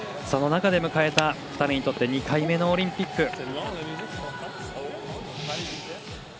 その中で迎えた２人にとって２回目のオリンピック。